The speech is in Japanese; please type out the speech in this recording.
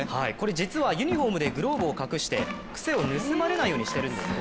実はユニホームでグローブを隠して癖を盗まれないようにしているんですね。